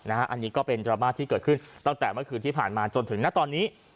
อันนี้ก็เป็นดราม่าที่เกิดขึ้นตั้งแต่เมื่อคืนที่ผ่านมาจนถึงณตอนนี้